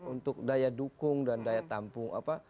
untuk daya dukung dan daya tampung apa